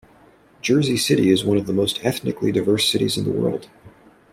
Jersey City is one of the most ethnically diverse cities in the world.